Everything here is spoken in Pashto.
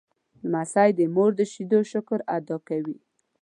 لمسی د مور د شیدو شکر ادا کوي.